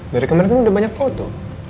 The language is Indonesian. dari kemarin kan udah banyak foto